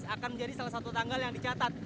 akan menjadi salah satu tanggal yang dicatat